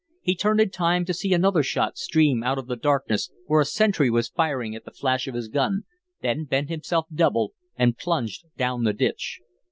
He turned in time to see another shot stream out of the darkness, where a sentry was firing at the flash of his gun, then bent himself double and plunged down the ditch.